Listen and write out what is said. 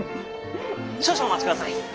少々お待ち下さい。